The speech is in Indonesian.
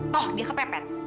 toh dia kepepet